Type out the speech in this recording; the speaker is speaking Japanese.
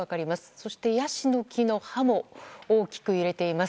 そして、ヤシの木の葉も大きく揺れています。